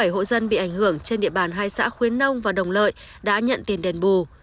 một trăm linh bảy hộ dân bị ảnh hưởng trên địa bàn hai xã khuyến nông và đồng lợi đã nhận tiền đền bù